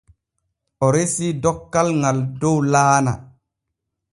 O resii dokkal ŋal dow laana.